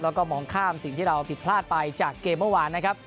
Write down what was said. แล้วก็มองข้ามสิ่งที่เราผิดพลาดไปจากเกมเมื่อวานนะครับ